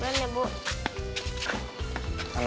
nggak apa apa ya bu